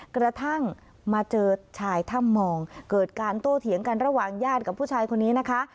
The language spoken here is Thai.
กระทั่งมาเจอชายถ้ำมองเกิดการโต้เถียงกันระหว่างญาติกับผู้ชายคนนี้นะคะ